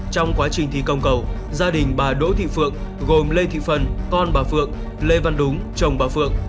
trong quá trình thi công cầu gia đình bà đỗ thị phượng gồm lê thị phân con bà phượng lê văn đúng chồng bà phượng